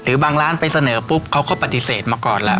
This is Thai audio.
บางร้านไปเสนอปุ๊บเขาก็ปฏิเสธมาก่อนแล้ว